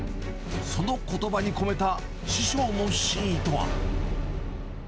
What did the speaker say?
そのことばに込めた師匠の真意とは。